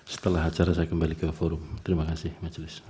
setelah acara saya kembali ke forum terima kasih majelis